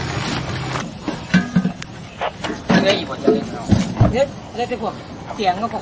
เนี่ยเนี่ยจริงค่ะ